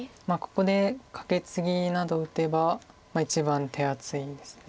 ここでカケツギなどを打てば一番手厚いんです。